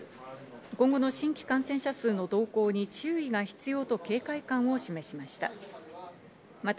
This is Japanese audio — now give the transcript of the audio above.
今後の新規感染者数の動向に注意が必要と警戒感を示しました。